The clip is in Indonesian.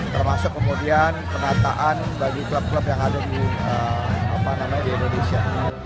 termasuk kemudian penataan bagi klub klub yang ada di indonesia